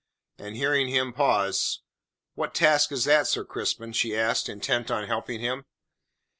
And hearing him pause: "What task is that, Sir Crispin?" she asked, intent on helping him.